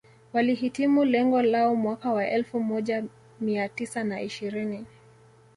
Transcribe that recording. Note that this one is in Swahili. Walihitimu lengo lao mwaka wa elfu moja mia tisa na ishirini